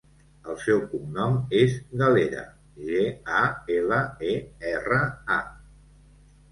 El seu cognom és Galera: ge, a, ela, e, erra, a.